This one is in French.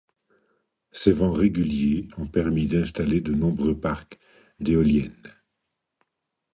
Ces vents réguliers ont permis d’installer de nombreux parcs d’éoliennes.